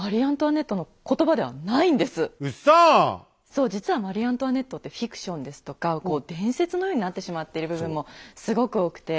そう実はマリ・アントワネットってフィクションですとかこう伝説のようになってしまっている部分もすごく多くて。